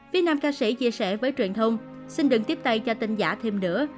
phía nam ca sĩ chia sẻ với truyền thông xin đừng tiếp tay cho tin giả thêm nữa